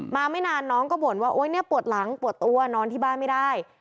มาไม่นานน้องก็บ่นว่าปวดหลังปวดตัวนอนที่บ้านไม่ได้